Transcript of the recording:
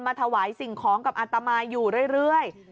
ถวายสิ่งของกับอัตมาอยู่เรื่อย